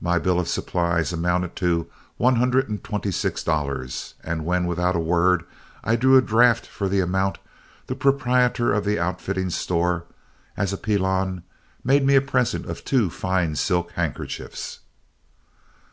My bill of supplies amounted to one hundred and twenty six dollars, and when, without a word, I drew a draft for the amount, the proprietor of the outfitting store, as a pelon, made me a present of two fine silk handkerchiefs.